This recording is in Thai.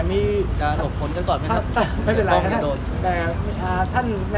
ไม่เป็นไรแต่